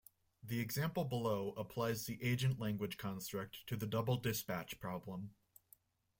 The example below applies the agent language construct to the double-dispatch problem.